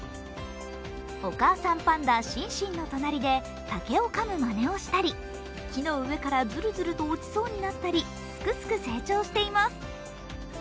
お母さんパンダ・シンシンの隣で竹をかむまねをしたり木の上からずるずると落ちそうになったり、すくすく成長しています